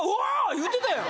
言うてたやん